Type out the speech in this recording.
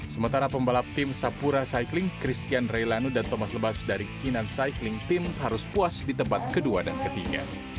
sementara pembalap tim sapura cycling christian railanu dan thomas lebas dari kinan cycling team harus puas di tempat kedua dan ketiga